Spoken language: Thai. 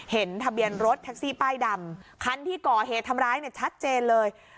เห็นทะเบียนรถแท็กซี่ป้ายดำคันที่ก่อเหตุทำร้ายเนี่ยชัดเจนเลย